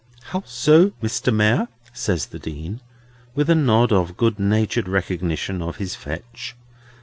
"How so, Mr. Mayor?" says the Dean, with a nod of good natured recognition of his Fetch.